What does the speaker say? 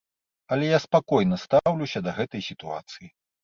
Але я спакойна стаўлюся да гэтай сітуацыі.